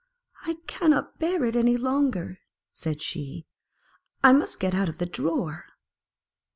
"I cannot bear it any longer," said she; " I must get out of the drawer."